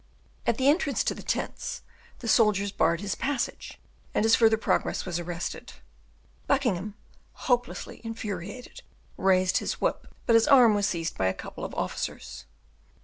At the entrance to the tents, the soldiers barred his passage, and his further progress was arrested. Buckingham, hopelessly infuriated, raised his whip; but his arm was seized by a couple of officers.